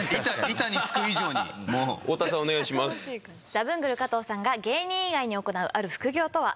ザブングル加藤さんが芸人以外に行うある副業とは？